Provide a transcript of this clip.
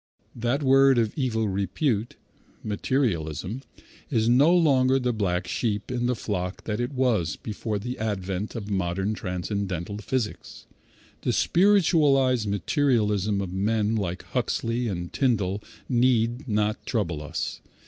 That word of evil repute, materialism, is no longer the black sheep in the flock that it was before the advent of modern transcendental physics. The spiritualized materialism of men like Huxley and Tyndall need not trouble us.